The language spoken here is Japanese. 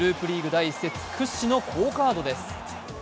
第１節屈指の好カードです。